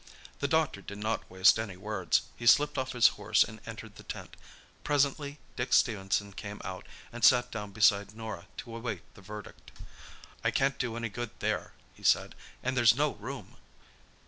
The doctor did not waste any words. He slipped off his horse and entered the tent. Presently Dick Stephenson came out and sat down beside Norah to await the verdict. "I can't do any good there," he said, "and there's no room."